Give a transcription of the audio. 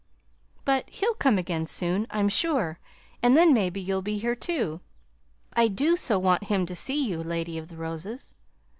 "But he'll come again soon, I'm sure, and then maybe you'll be here, too. I do so want him to see you, Lady of the Roses!"